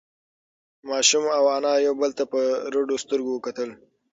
ماشوم او انا یو بل ته په رډو سترگو کتل.